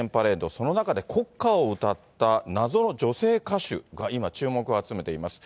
その中で国歌を歌った謎の女性歌手が今、注目を集めています。